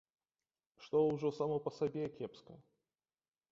Што ўжо само па сабе кепска.